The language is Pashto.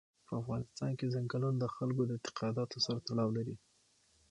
په افغانستان کې چنګلونه د خلکو د اعتقاداتو سره تړاو لري.